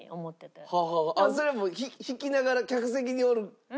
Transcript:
それはもう弾きながら客席におる。